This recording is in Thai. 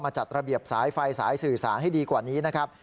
จัดระเบียบสายไฟสายสื่อสารให้ดีกว่านี้นะครับ